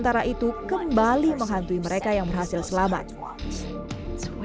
saya pikir morfin itu mungkin membuat jantungmu terlalu teruk